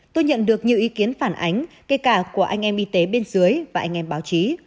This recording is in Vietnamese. tôi nhận được nhiều ý kiến phản ánh kể cả của anh em y tế bên dưới và anh em báo chí